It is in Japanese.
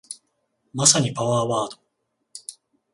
まさにパワーワード